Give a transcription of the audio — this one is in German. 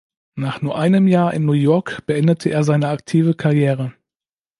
Nach nur einem Jahr in New York beendete er seine aktive Karriere.